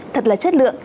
thật là chất lượng